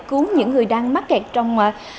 cứu những người đang mắc kẹt trong